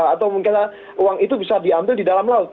atau mungkin uang itu bisa diambil di dalam laut